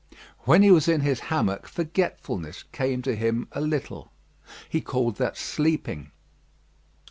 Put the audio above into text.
When he was in his hammock forgetfulness came to him a little. He called that sleeping.